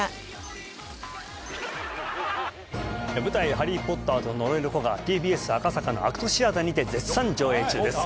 「ハリー・ポッターと呪いの子」がＴＢＳ赤坂ＡＣＴシアターにて絶賛上演中です